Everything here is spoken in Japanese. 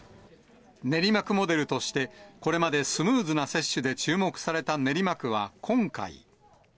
練馬区モデルとして、これまでスムーズな接種で注目された練馬区は今回。